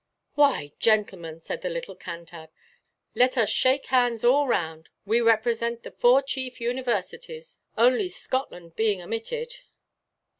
"Why, gentlemen," said the little Cantab, "let us shake hands all round. We represent the four chief universities, only Scotland being omitted."